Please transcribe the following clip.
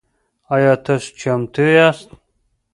آیا تاسو چمتو یاست؟